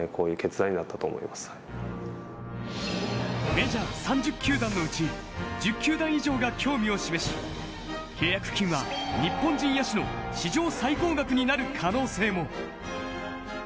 メジャー３０球団のうち１０球団以上が興味を示し契約金は日本人野手の史上最高額になる可能性も。